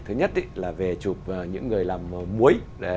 thứ nhất là về chụp những người làm muối